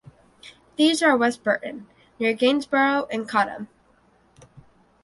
These are West Burton, near Gainsborough and Cottam.